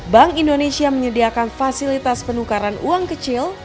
bank indonesia menyediakan fasilitas penukaran uang kecil